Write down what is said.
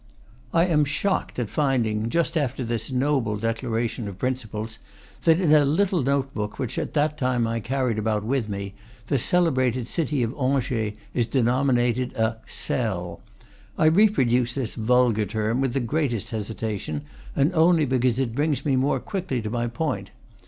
I am shocked at finding, just after this noble de claration of principles that in a little note book which at that time I carried about with me, the celebrated city of Angers is denominated a "sell." I reproduce this vulgar term with the greatest hesitation, and only because it brings me more quickly to my point.